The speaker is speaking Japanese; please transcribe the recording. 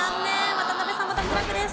渡邉さんも脱落です。